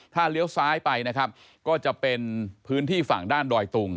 ถ้าเลี้ยวซ้ายไปนะครับก็จะเป็นพื้นที่ฝั่งด้านดอยตุง